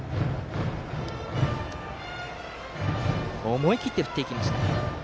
思い切って振って行きました。